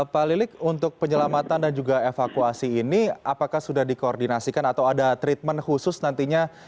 pak lilik untuk penyelamatan dan juga evakuasi ini apakah sudah dikoordinasikan atau ada treatment khusus nantinya